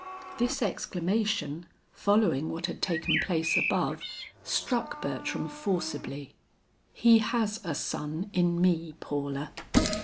This exclamation following what had taken place above struck Bertram forcibly. "He has a son in me, Paula.